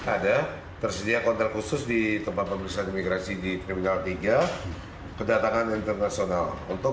ada tersedia kaunter khusus di tempat pemeriksaan imigrasi di terminal tiga